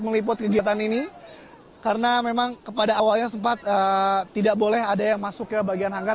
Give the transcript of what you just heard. meliput kegiatan ini karena memang pada awalnya sempat tidak boleh ada yang masuk ke bagian hanggar